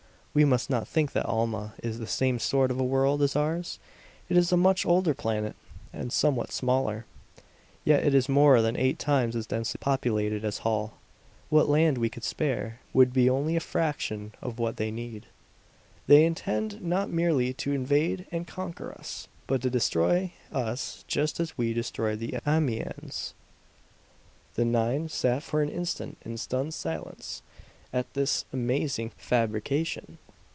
We must not think that Alma is the same sort of a world as ours. It is a much older planet, and somewhat smaller. Yet it is more than eight times as densely populated as Holl. What land we could spare would be only a fraction of what they need. They intend not merely to invade and conquer us, but to destroy us just as we destroyed the Ammians!" [Footnote: Doubtless referring to some aboriginal tribe or race, such as the Indians of America.] The nine sat for an instant in stunned silence at this amazing fabrication.